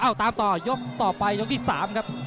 เอาตามต่อยกต่อไปยกที่๓ครับ